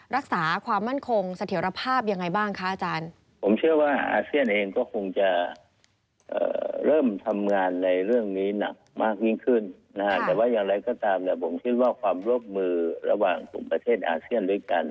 รักษาความมั่นคงเสถียรภาพอย่างไรบ้างคะอาจารย์